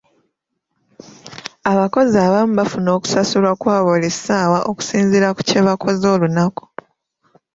Abakozi abamu bafuna okusasulwa kwa buli ssaawa okusinziira ku kye bakoze olunaku..